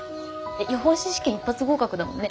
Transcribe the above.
予報士試験一発合格だもんね。